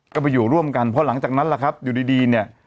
ก็ไปอยู่ร่วมกันเพราะหลังจากนั้นล่ะครับอยู่ดีเนี่ย